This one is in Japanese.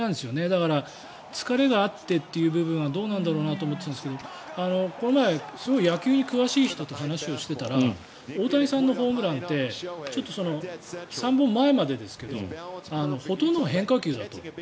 だから、疲れがあってっていう部分はどうなんだろうなと思っていたんですがこの前、すごく野球に詳しい人と話をしていたら大谷さんのホームランって３本前までですけどほとんどが変化球だと。